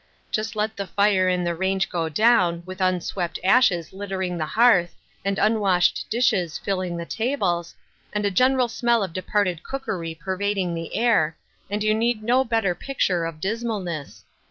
Just let the fire in the range go down, with unswept ashes littering the hearth, and unwashed dishes filling the tables, and a general smell of departed cookery pervading the air, and you need no bet ter picture of dismalness.